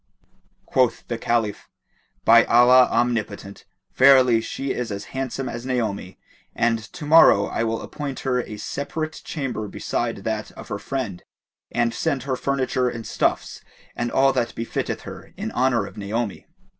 Quoth the Caliph, "By Allah Omnipotent, verily she is as handsome as Naomi, and to morrow I will appoint her a separate chamber beside that of her friend and send her furniture and stuffs and all that befitteth her, in honour of Naomi."